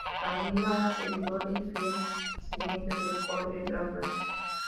Camilla: Una seguidora y fiel sirviente del Conde Drácula.